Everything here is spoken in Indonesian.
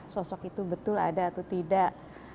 sosok itu betul ada atau tidak